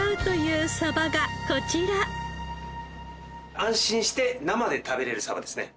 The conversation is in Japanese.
安心して生で食べられるサバですね。